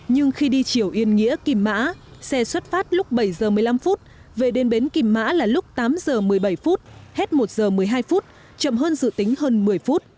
nhưng khi đi chiều yên nghĩa kim mã xe xuất phát lúc bảy giờ một mươi năm về đến bến kìm mã là lúc tám giờ một mươi bảy phút hết một giờ một mươi hai phút chậm hơn dự tính hơn một mươi phút